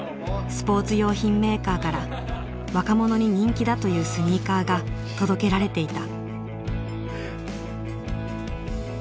スポーツ用品メーカーから若者に人気だというスニーカーが届けられていた。